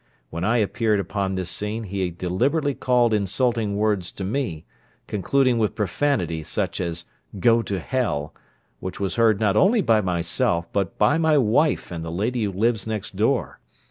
When I appeared upon this scene he deliberately called insulting words to me, concluding with profanity, such as "go to hell," which was heard not only by myself but by my wife and the lady who lives next door.